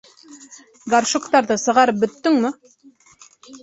- Горшоктарҙы сығарып бөттөңмө?